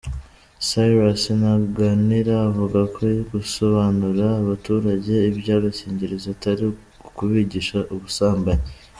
Cyrus Ntaganira avuga ko gusobanurira abaturage iby’agakingirizo atari ukubigisha ubusambanyi.